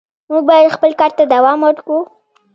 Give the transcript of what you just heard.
موږ به خپل کار ته دوام ورکوو.